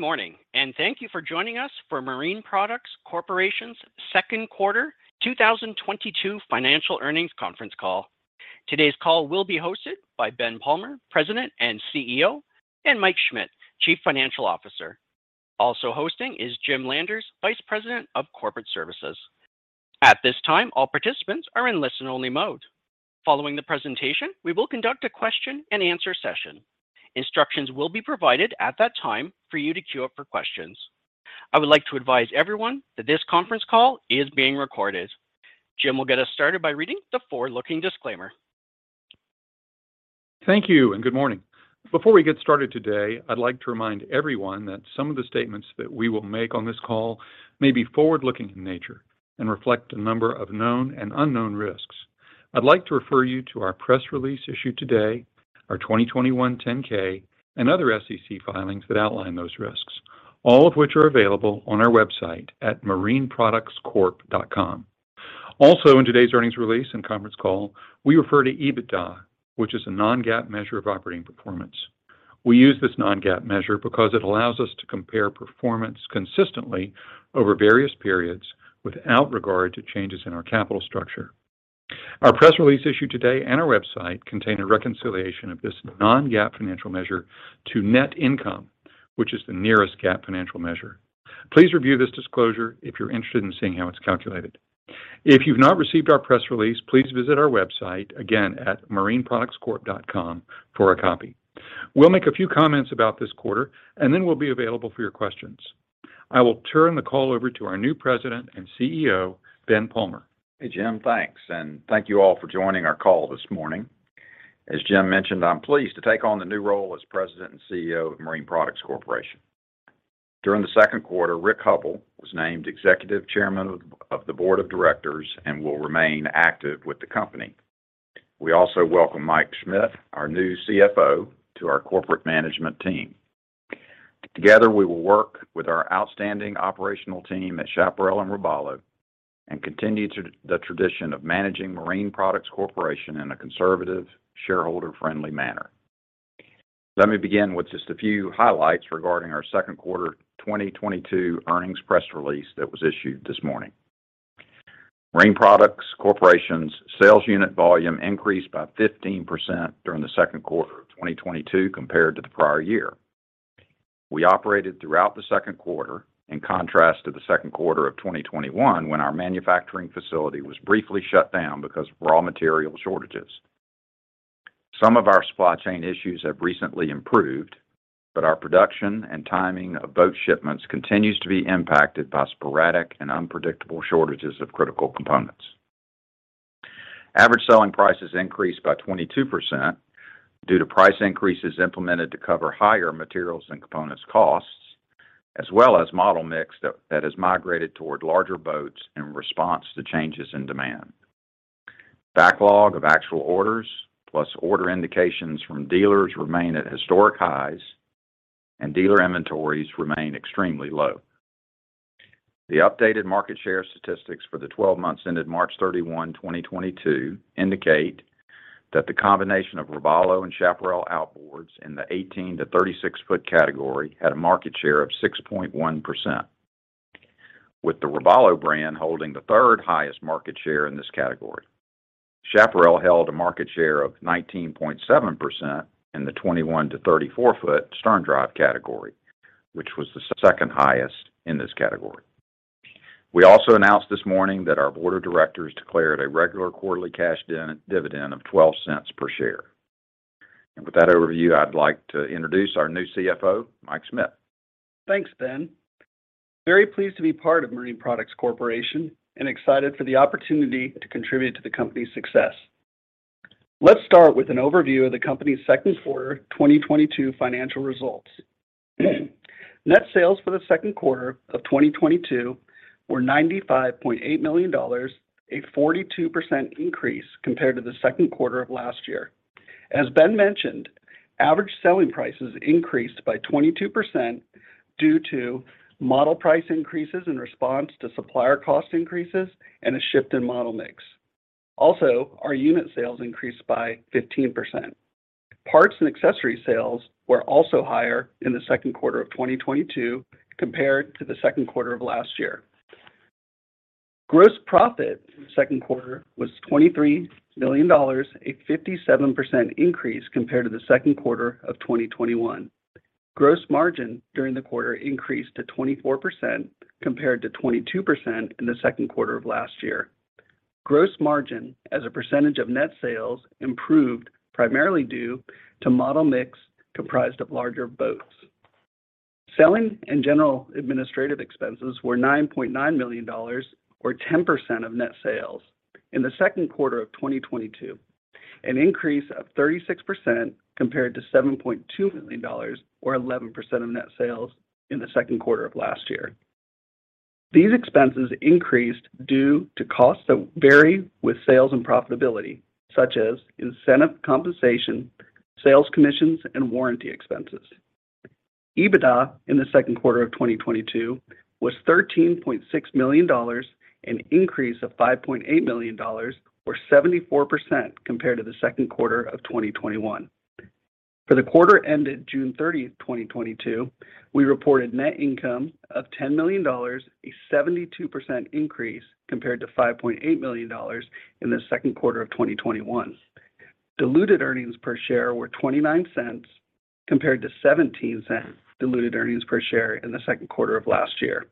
Good morning and thank you for joining us for Marine Products Corporation's second quarter 2022 financial earnings conference call. Today's call will be hosted by Ben Palmer, President and CEO, and Mike Schmit, Chief Financial Officer. Also, hosting is Jim Landers, Vice President of Corporate Services. At this time, all participants are in listen-only mode. Following the presentation, we will conduct a question-and-answer session. Instructions will be provided at that time for you to queue up for questions. I would like to advise everyone that this conference call is being recorded. Jim will get us started by reading the forward-looking disclaimer. Thank you, and good morning. Before we get started today, I'd like to remind everyone that some of the statements that we will make on this call may be forward-looking in nature and reflect a number of known and unknown risks. I'd like to refer you to our press release issued today, our 2021 10-K, and other SEC filings that outline those risks, all of which are available on our website at marineproductscorp.com. Also, in today's earnings release and conference call, we refer to EBITDA, which is a non-GAAP measure of operating performance. We use this non-GAAP measure because it allows us to compare performance consistently over various periods without regard to changes in our capital structure. Our press release issued today, and our website contain a reconciliation of this non-GAAP financial measure to net income, which is the nearest GAAP financial measure. Please review this disclosure if you're interested in seeing how it's calculated. If you've not received our press release, please visit our website, again at marineproductscorp.com, for a copy. We'll make a few comments about this quarter, and then we'll be available for your questions. I will turn the call over to our new President and CEO, Ben Palmer. Hey, Jim. Thanks, and thank you all for joining our call this morning. As Jim mentioned, I'm pleased to take on the new role as president and CEO of Marine Products Corporation. During the second quarter, Rick Hubbell was named executive chairman of the board of directors and will remain active with the company. We also welcome Mike Schmit, our new CFO, to our corporate management team. Together, we will work with our outstanding operational team at Chaparral and Robalo and continue the tradition of managing Marine Products Corporation in a conservative, shareholder-friendly manner. Let me begin with just a few highlights regarding our second quarter 2022 earnings press release that was issued this morning. Marine Products Corporation's sales unit volume increased by 15% during the second quarter of 2022 compared to the prior year. We operated throughout the second quarter, in contrast to the second quarter of 2021 when our manufacturing facility was briefly shut down because of raw material shortages. Some of our supply chain issues have recently improved, but our production and timing of boat shipments continue to be impacted by sporadic and unpredictable shortages of critical components. Average selling prices increased by 22% due to price increases implemented to cover higher materials and components costs, as well as model mix that has migrated toward larger boats in response to changes in demand. Backlog of actual orders plus order indications from dealers remain at historic highs, and dealer inventories remain extremely low. The updated market share statistics for the 12 months ended March 31, 2022 indicate that the combination of Robalo and Chaparral Outboards in the 18-36-ft category had a market share of 6.1%, with the Robalo brand holding the third highest market share in this category. Chaparral held a market share of 19.7% in the 21-34-ft stern drive category, which was the second highest in this category. We also announced this morning that our board of directors declared a regular quarterly cash dividend of $0.12 per share. With that overview, I'd like to introduce our new CFO, Mike Schmit. Thanks, Ben. Very pleased to be part of Marine Products Corporation and excited for the opportunity to contribute to the company's success. Let's start with an overview of the company's second quarter 2022 financial results. Net sales for the second quarter of 2022 were $95.8 million; a 42% increase compared to the second quarter of last year. As Ben mentioned, average selling prices increased by 22% due to model price increases in response to supplier cost increases and a shift in model mix. Also, our unit sales increased by 15%. Parts and accessory sales were also higher in the second quarter of 2022 compared to the second quarter of last year. Gross profit in the second quarter was $23 million; a 57% increase compared to the second quarter of 2021. Gross margin during the quarter increased to 24% compared to 22% in the second quarter of last year. Gross margin as a percentage of net sales improved primarily due to model mix comprised of larger boats. Selling and general administrative expenses were $9.9 million or 10% of net sales in the second quarter of 2022, an increase of 36% compared to $7.2 million or 11% of net sales in the second quarter of last year. These expenses increased due to costs that vary with sales and profitability, such as incentive compensation, sales commissions, and warranty expenses. EBITDA in the second quarter of 2022 was $13.6 million, an increase of $5.8 million or 74% compared to the second quarter of 2021. For the quarter ended June 30th, 2022, we reported net income of $10 million, a 72% increase compared to $5.8 million in the second quarter of 2021. Diluted earnings per share were $0.29 compared to $0.17 diluted earnings per share in the second quarter of last year.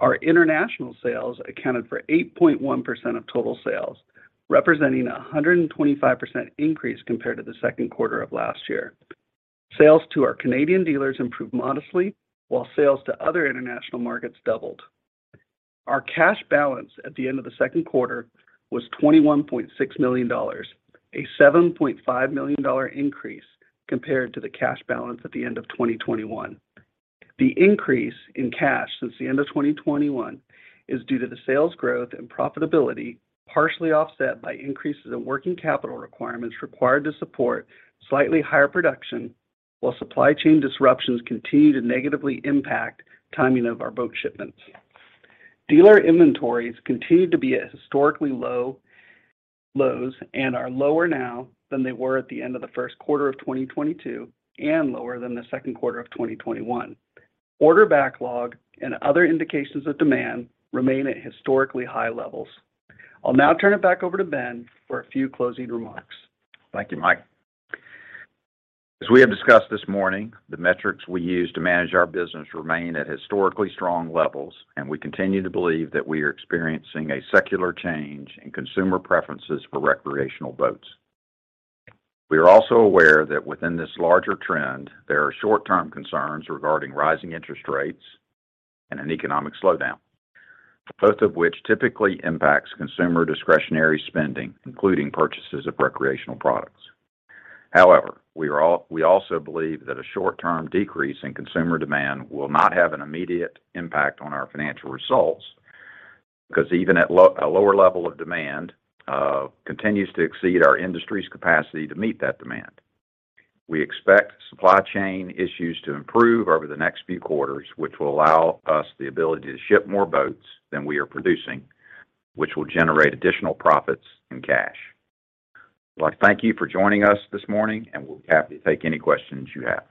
Our international sales accounted for 8.1% of total sales, representing a 125% increase compared to the second quarter of last year. Sales to our Canadian dealers improved modestly, while sales to other international markets doubled. Our cash balance at the end of the second quarter was $21.6 million, a $7.5 million increase compared to the cash balance at the end of 2021. The increase in cash since the end of 2021 is due to the sales growth and profitability, partially offset by increases in working capital requirements required to support slightly higher production while supply chain disruptions continue to negatively impact timing of our boat shipments. Dealer inventories continue to be at historically low lows and are lower now than they were at the end of the first quarter of 2022 and lower than the second quarter of 2021. Order backlog and other indications of demand remain at historically high levels. I'll now turn it back over to Ben for a few closing remarks. Thank you, Mike. As we have discussed this morning, the metrics we use to manage our business remain at historically strong levels, and we continue to believe that we are experiencing a secular change in consumer preferences for recreational boats. We are also aware that within this larger trend, there are short-term concerns regarding rising interest rates and an economic slowdown, both of which typically impacts consumer discretionary spending, including purchases of recreational products. However, we also believe that a short-term decrease in consumer demand will not have an immediate impact on our financial results, because even at a lower level of demand continues to exceed our industry's capacity to meet that demand. We expect supply chain issues to improve over the next few quarters, which will allow us the ability to ship more boats than we are producing, which will generate additional profits and cash. I'd like to thank you for joining us this morning, and we'll be happy to take any questions you have.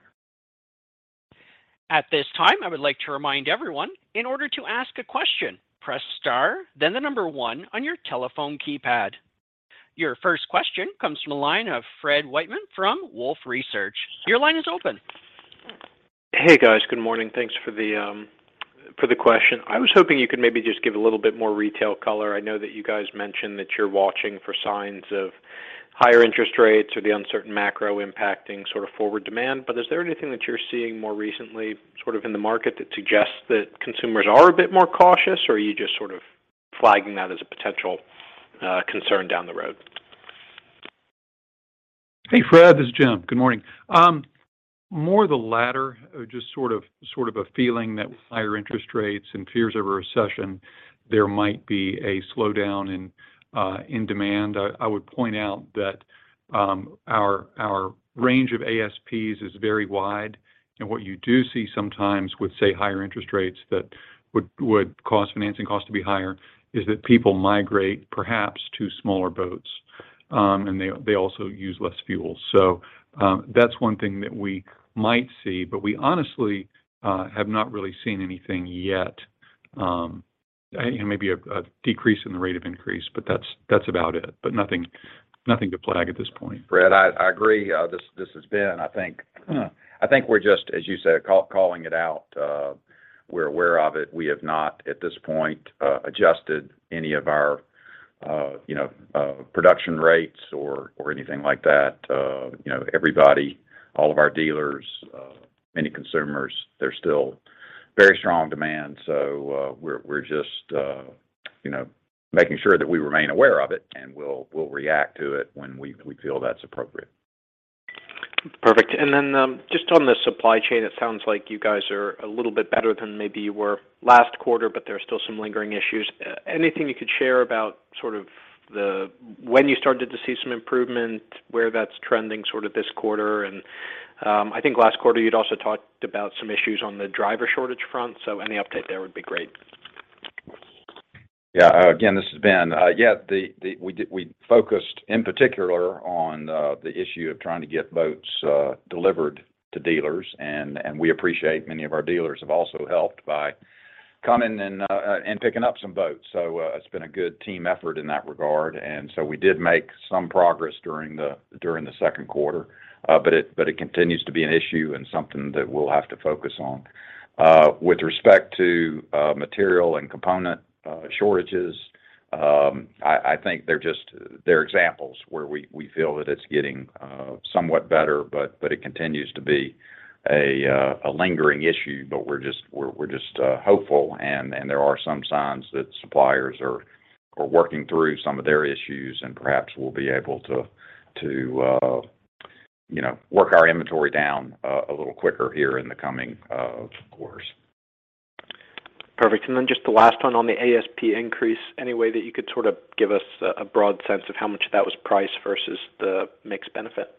At this time, I would like to remind everyone, in order to ask a question press star then the number one on your telephone keypad. Your first question comes from the line of Fred Wightman from Wolfe Research. Your line is open. Hey guys. Good morning. Thanks for the question. I was hoping you could maybe just give a little bit more retail color. I know that you guys mentioned that you're watching for signs of higher interest rates or the uncertain macro impacting sort of forward demand, but is there anything that you're seeing more recently, sort of in the market that suggests that consumers are a bit more cautious, or are you just sort of flagging that as a potential concern down the road? Hey Fred. This is Jim. Good morning. More the latter of just sort of a feeling that with higher interest rates and fears of a recession, there might be a slowdown in demand. I would point out that our range of ASPs is very wide, and what you do see sometimes with, say, higher interest rates that would cause financing costs to be higher is that people migrate perhaps to smaller boats and they also use less fuel. That's one thing that we might see. We honestly have not really seen anything yet. You know, maybe a decrease in the rate of increase, but that's about it. Nothing to flag at this point. Fred, I agree. This has been. I think we're just, as you said, calling it out. We're aware of it. We have not, at this point, adjusted any of our, you know, production rates or anything like that. You know, everybody, all of our dealers, many consumers, there's still very strong demand. We're just, you know, making sure that we remain aware of it, and we'll react to it when we feel that's appropriate. Perfect. Just on the supply chain, it sounds like you guys are a little bit better than maybe you were last quarter, but there are still some lingering issues. Anything you could share about when you started to see some improvement, where that's trending sort of this quarter? I think last quarter you'd also talked about some issues on the driver shortage front. Any update there would be great. Yeah. Again, this is Ben. Yeah, we focused in particular on the issue of trying to get boats delivered to dealers. We appreciate many of our dealers have also helped by coming and picking up some boats. It's been a good team effort in that regard. We did make some progress during the second quarter. It continues to be an issue and something that we'll have to focus on. With respect to material and component shortages, I think they're just examples where we feel that it's getting somewhat better, but it continues to be a lingering issue. We're just hopeful and there are some signs that suppliers are working through some of their issues and perhaps will be able to you know work our inventory down a little quicker here in the coming quarters. Perfect. Just the last one on the ASP increase. Any way that you could sort of give us a broad sense of how much of that was price versus the mix benefit?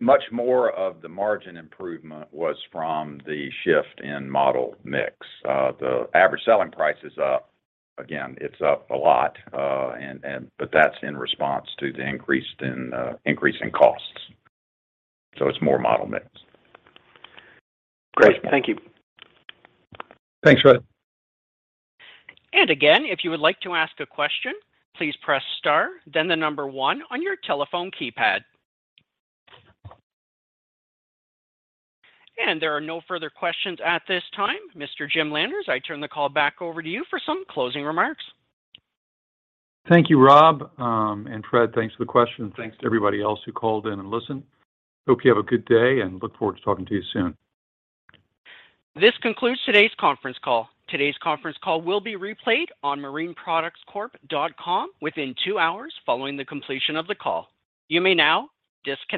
Much more of the margin improvement was from the shift in model mix. The average selling price is up. Again, it's up a lot, but that's in response to the increase in costs. It's more model mix. Great. Thank you. Thanks, Fred. Again, if you would like to ask a question, please press star, then the number one on your telephone keypad. There are no further questions at this time. Mr. Jim Landers, I turn the call back over to you for some closing remarks. Thank you, Rob. Fred, thanks for the question. Thanks to everybody else who called in and listened. Hope you have a good day and look forward to talking to you soon. This concludes today's conference call. Today's conference call will be replayed on marineproductscorp.com within two hours following the completion of the call. You may now disconnect.